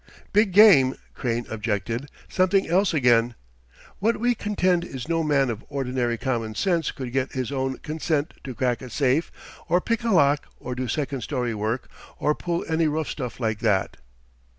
"Big game," Crane objected; "something else again. What we contend is no man of ordinary common sense could get his own consent to crack a safe, or pick a pocket, or do second story work, or pull any rough stuff like that."